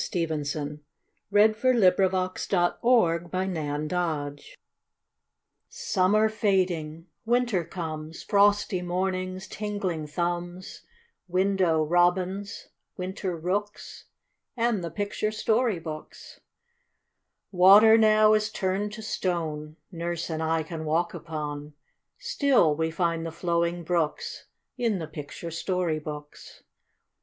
PICTURE BOOKS IN WINTER Summer fading, winter comes Frosty mornings, tingling thumbs, Window robins, winter rooks, And the picture story books. Water now is turned to stone Nurse and I can walk upon; Still we find the flowing brooks In the picture story books.